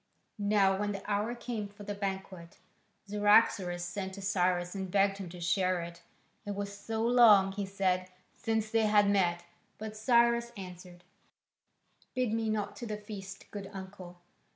Now when the hour came for the banquet, Cyaxares sent to Cyrus and begged him to share it: it was so long, he said, since they had met. But Cyrus answered, "Bid me not to the feast, good uncle.